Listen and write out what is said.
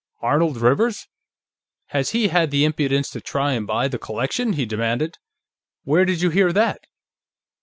"Arnold Rivers? Has he had the impudence to try to buy the collection?" he demanded. "Where did you hear that?"